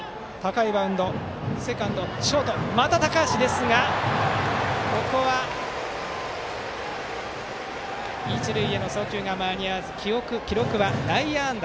またショートの高橋がつかんだがここは一塁への送球が間に合わず記録は内野安打。